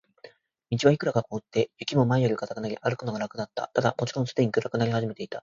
道はいくらか凍って、雪も前よりは固くなり、歩くのが楽だった。ただ、もちろんすでに暗くなり始めていた。